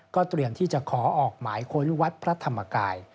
เตรียมที่จะขอออกหมายค้นวัดพระธรรมกาย